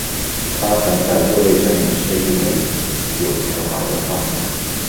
她很早就被证明是一位有才华的画家。